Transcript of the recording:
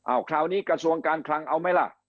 เอาคราวนี้กระทรวงการคลังเอาไหมล่ะ